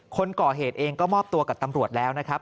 คนก่อเหตุเองก็มอบตัวกับตำรวจแล้วนะครับ